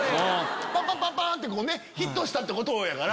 パパパパン！ってヒットしたってことやから。